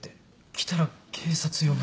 「来たら警察呼ぶ」